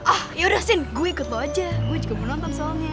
ah yaudah sin gue ikut lo aja gue juga mau nonton soalnya